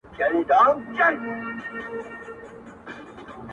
ما یې تنې ته زلمۍ ویني اوبه خور ورکاوه؛